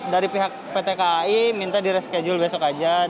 dari pihak pt kai minta di reschedule besok aja